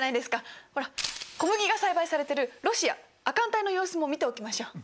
ほら小麦が栽培されてるロシア亜寒帯の様子も見ておきましょう。